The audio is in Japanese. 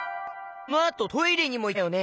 このあとトイレにもいったよね。